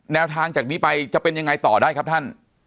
แนวทางจากนี้ไปจะเป็นยังไงต่อได้ครับท่าน